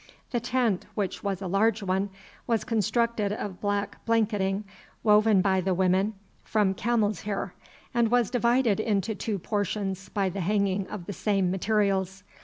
The tent, which was a large one, was constructed of black blanketing woven by the women from camels' hair, and was divided into two portions by a hanging of the same materials.